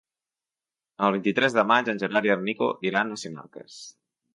El vint-i-tres de maig en Gerard i en Nico iran a Sinarques.